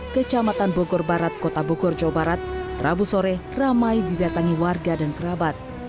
kecamatan bogor barat kota bogor jawa barat rabu sore ramai didatangi warga dan kerabat